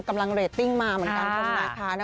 กำลังเรตติ้งมาเหมือนกันครับ